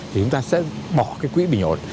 thì chúng ta sẽ bỏ cái quỹ bình ổn